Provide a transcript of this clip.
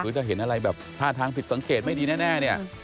คือถ้าเห็นอะไรแบบท่าทางผิดสังเกตไม่ดีแน่นี้